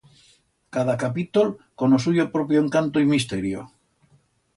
Cada capítol con o suyo propio encanto y misterio.